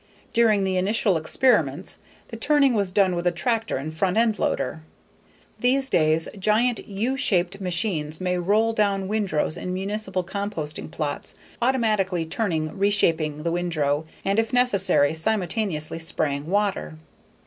During the initial experiments the turning was done with a tractor and front end loader. These days giant "U" shaped machines may roll down windrows at municipal composting plots, automatically turning, reshaping the windrow and if necessary, simultaneously spraying water.